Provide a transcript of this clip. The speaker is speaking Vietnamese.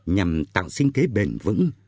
nhằm tạo sinh kế bền vững